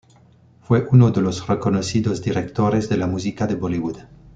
Fue uno de los reconocidos directores de la música de Bollywood.